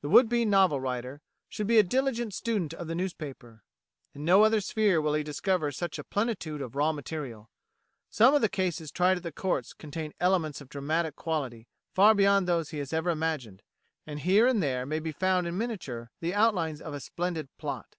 The would be novel writer should be a diligent student of the newspaper. In no other sphere will he discover such a plenitude of raw material. Some of the cases tried at the Courts contain elements of dramatic quality far beyond those he has ever imagined; and here and there may be found in miniature the outlines of a splendid plot.